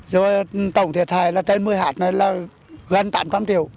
rồi tổng thiệt hại là trên một mươi hạt này là gần tạm ba triệu